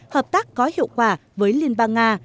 hợp tác có hiệu quả với liên bang nga